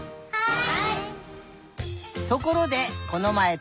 ところでこのまえ